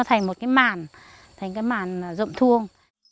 thành cái mản thành cái mản rộng thuông